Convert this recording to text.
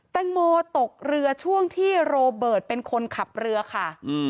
แตงโมตกเรือช่วงที่โรเบิร์ตเป็นคนขับเรือค่ะ